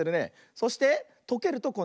そしてとけるとこんなかんじ。